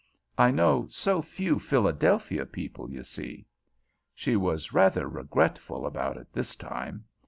"I know so few Philadelphia people, you see." She was rather regretful about it this time.